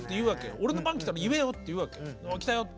俺の番来たら言えよって言うわけ来たよって。